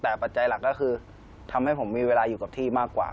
แต่ปัจจัยหลักก็คือทำให้ผมมีเวลาอยู่กับที่มากกว่า